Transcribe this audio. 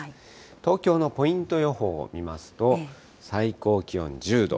東京のポイント予報を見ますと、最高気温１０度。